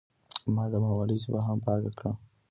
ما د بڼوالۍ ژبه هم پاکه کړه.